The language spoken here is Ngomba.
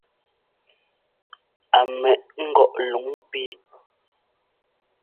Á ḿmɛʼ ŋgɔʼ luŋ píi.